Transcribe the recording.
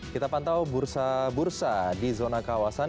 kita pantau bursa bursa di zona kawasan